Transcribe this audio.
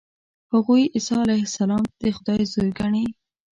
هغوی عیسی علیه السلام د خدای زوی ګڼي.